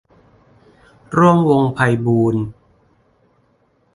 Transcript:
ร่วมวงศ์ไพบูลย์